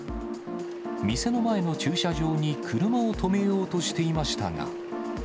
店の前の駐車場に車を止めようとしていましたが。